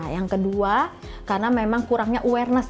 yang kedua karena memang kurangnya awareness